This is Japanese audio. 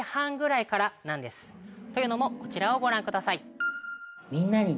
というのもこちらをご覧ください。